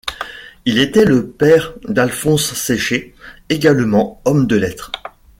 Il était le père d’Alphonse Séché, également homme de lettres.